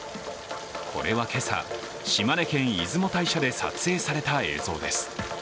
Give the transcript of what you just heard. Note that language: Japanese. これは今朝、島根県出雲大社で撮影された映像です。